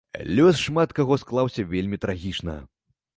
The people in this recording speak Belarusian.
Лёс шмат каго склаўся вельмі трагічна.